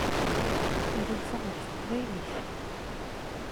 Ad wteɣ ɣef teqbaylit.